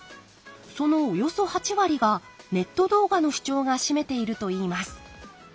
そのおよそ８割がネット動画の視聴が占めているといいます。